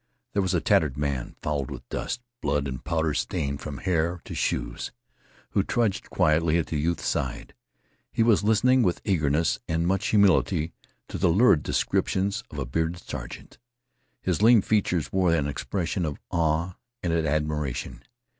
There was a tattered man, fouled with dust, blood and powder stain from hair to shoes, who trudged quietly at the youth's side. He was listening with eagerness and much humility to the lurid descriptions of a bearded sergeant. His lean features wore an expression of awe and admiration.